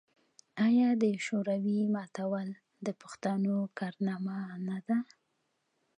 آیا د شوروي ماتول د پښتنو کارنامه نه ده؟